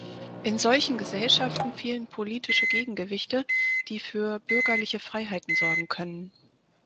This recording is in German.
In solchen Gesellschaften fehlen politische Gegengewichte, die für bürgerliche Freiheiten sorgen können.